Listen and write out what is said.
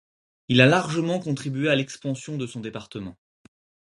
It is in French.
Il a largement contribué à l'expansion de son département.